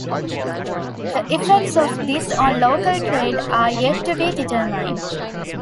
The effects of this on local trade are yet to be determined.